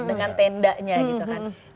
dengan tendanya gitu kan